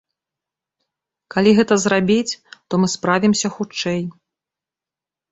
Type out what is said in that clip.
Калі гэта зрабіць, то мы справімся хутчэй.